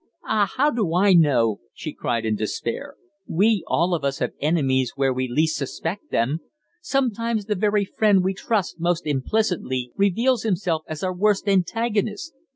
"Ah, how do I know?" she cried in despair. "We all of us have enemies where we least suspect them. Sometimes the very friend we trust most implicitly reveals himself as our worst antagonist.